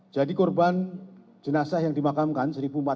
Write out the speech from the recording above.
jadi korban jenazah yang dimakamkan